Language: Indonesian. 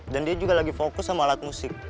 dan dia juga lagi fokus sama alat musik